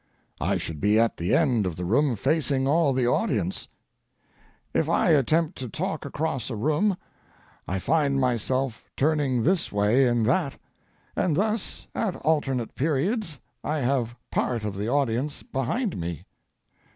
I should be at the end of the room facing all the audience. If I attempt to talk across a room I find myself turning this way and that, and thus at alternate periods I have part of the audience behind me.